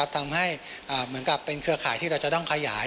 ทำให้เหมือนกับเป็นเครือข่ายที่เราจะต้องขยาย